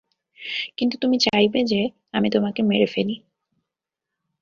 কিন্তু তুমি চাইবে যে আমি তোমাকে মেরে ফেলি।